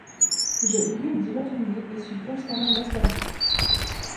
Je brule d'y retourner et suis constamment nostalgique.